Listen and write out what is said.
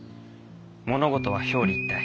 物事は表裏一体。